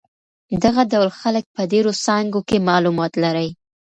دغه ډول خلک په ډېرو څانګو کې معلومات لري.